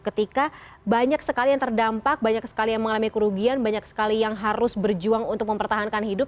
ketika banyak sekali yang terdampak banyak sekali yang mengalami kerugian banyak sekali yang harus berjuang untuk mempertahankan hidup